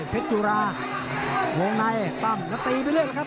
จุราวงในปั้มแล้วตีไปเรื่อยแล้วครับ